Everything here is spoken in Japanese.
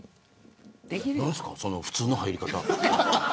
何ですか、その普通の入り方。